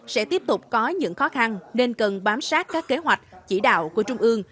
sẽ tiếp tục có những khó khăn nên cần bám sát các kế hoạch chỉ đạo của trung ương